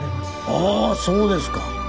ああそうですか。